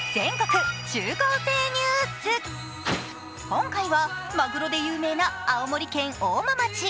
今回はまぐろで有名な青森県大間町。